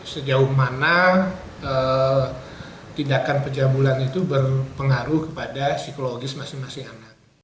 sejauh mana tindakan pencabulan itu berpengaruh kepada psikologis masing masing anak